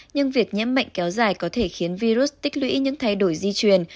nhưng việc nhiễm bệnh kéo dài có thể khiến virus tích lũy những thay đổi di truyền